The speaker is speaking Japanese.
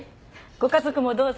ご家族もどうぞ。